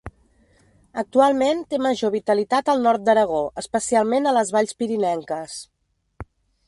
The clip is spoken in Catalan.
Actualment té major vitalitat al nord d'Aragó, especialment a les valls pirinenques.